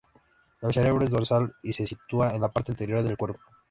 El cerebro es dorsal y se sitúa en la parte anterior del cuerpo.